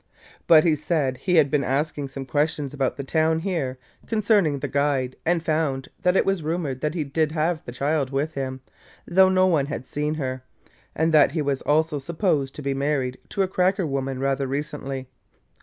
But he said he had been asking some questions about the town here concerning the guide and found that it was rumored that he did have the child with him, though no one had seen her, and that he was also supposed to be married to a cracker woman rather recently.